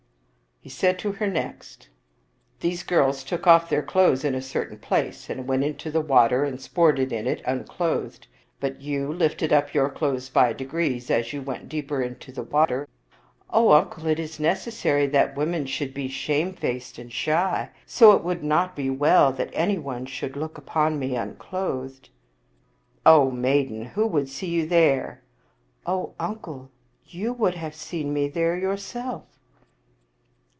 He said to her next, " These girls took off their clothes at a certain place, and went into the water and sported in it unclothed, but you lifted up your clothes by degrees as you went deeper into the water." " O uncle, it is necessary that women should be shame faced and shy, and so it would not be well that anyone should look upon me unclothed." " O maiden, who would see you there? "*' O uncle, you would have seen me there jrourself."